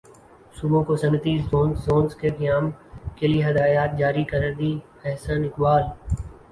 صوبوں کو صنعتی زونز کے قیام کیلئے ہدایات جاری کردیں احسن اقبال